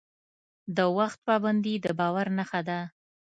د وخت پابندي د باور نښه ده.